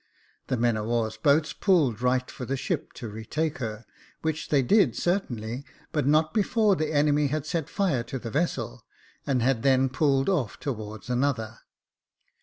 The men of war's boats pulled right for the ship to retake her, which they did, certainly, but not before the enemy had set fire to the vessel, and had then pulled off towards another.